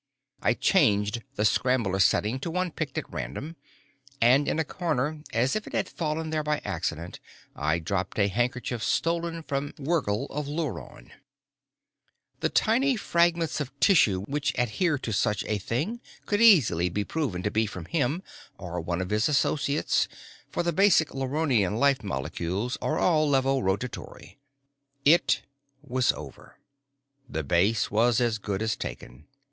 I changed the scrambler setting to one picked at random. And in a corner, as if it had fallen there by accident, I dropped a handkerchief stolen from Wergil of Luron. The tiny fragments of tissue which adhere to such a thing could easily be proven to be from him or one of his associates, for the basic Luronian life molecules are all levo rotatory. It might help. I slipped back down the stairs, quickly and quietly. It was over. The base was as good as taken.